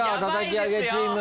叩き上げチーム。